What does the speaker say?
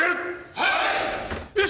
はい！